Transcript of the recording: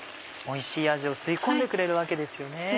おいしい味を吸い込んでくれるわけですよね。